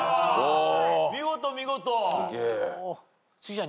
見事見事。